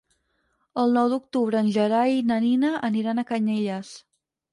El nou d'octubre en Gerai i na Nina aniran a Canyelles.